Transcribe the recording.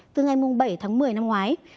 từ ngày bảy tháng một mươi năm ngoái